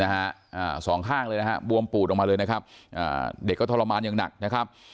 อ่าสองข้างเลยนะฮะบวมปูดออกมาเลยนะครับอ่าเด็กก็ทรมานอย่างหนักนะครับ